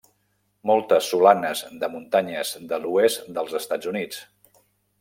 Moltes solanes de muntanyes de l'oest dels Estats Units.